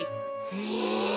へえ。